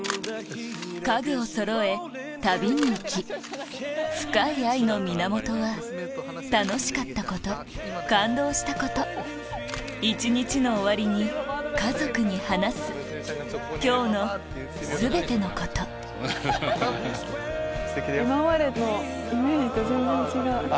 家具をそろえ旅に行き深い愛の源は楽しかったこと感動したこと一日の終わりに家族に話す今日の全てのこと今までのイメージと全然違う。